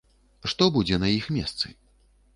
Што будзе на іх месцы?